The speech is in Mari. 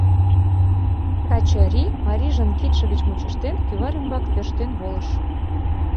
Качырий, марийжын кидше гыч мучыштен, кӱвар ӱмбак тӧрштен волыш.